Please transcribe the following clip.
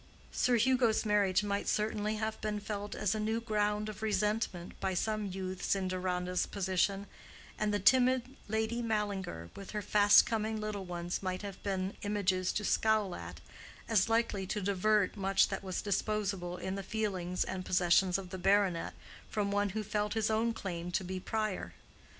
Sir Hugo's marriage might certainly have been felt as a new ground of resentment by some youths in Deronda's position, and the timid Lady Mallinger with her fast coming little ones might have been images to scowl at, as likely to divert much that was disposable in the feelings and possessions of the baronet from one who felt his own claim to be prior.